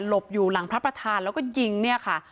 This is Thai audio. บอยู่หลังพระประธานแล้วก็ยิงเนี่ยค่ะ